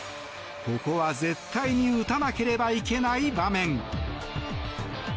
ここは絶対に打たなければいけない場面。